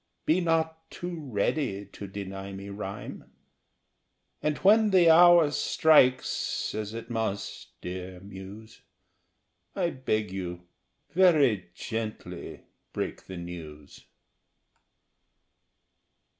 Be not too ready to deny me rhyme; And when the hour strikes, as it must, dear Muse, I beg you very gently break the news.